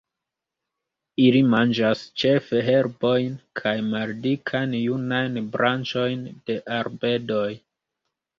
Ili manĝas ĉefe herbojn kaj maldikajn junajn branĉojn de arbedoj.